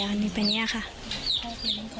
อันนี้เป็นอย่างนี้ค่ะ